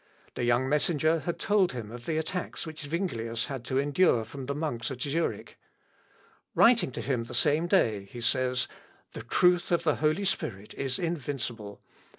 The young messenger had told him of the attacks which Zuinglius had to endure from the monks at Zurich. Writing him the same day, he says, "The truth of the Holy Spirit is invincible.